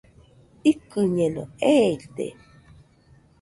Ikɨñeno, eite